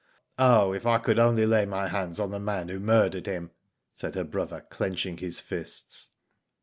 Oh, if I could only lay my hands on the man who murdered him," said her brother, clenching his fists.